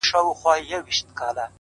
• مُغان زخمي دی مطرب ناښاده ,